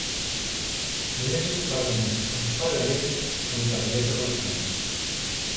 Només es permet el pagament amb targeta bancària.